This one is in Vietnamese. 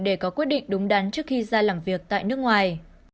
để có quyết định đúng đắn trước khi ra làm việc tại nước ngoài